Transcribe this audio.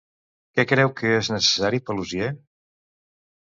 Què creu que és necessari Paluzie?